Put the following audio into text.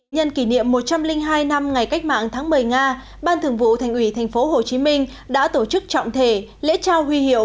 nhân kỷ niệm một trăm linh hai năm ngày cách mạng tháng một mươi nga ban thường vụ thành ủy thành phố hồ chí minh đã tổ chức trọng thể lễ trao huy hiệu